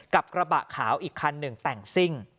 กระบะขาวอีกคันหนึ่งแต่งซิ่ง